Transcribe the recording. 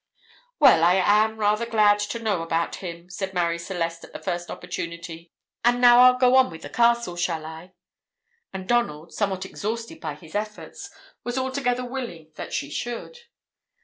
"Well, I am rather glad to know about him," said Marie Celeste at the first opportunity; "and now I'll go on with the castle, shall I?" And Donald, somewhat exhausted by his efforts, was altogether willing that she should.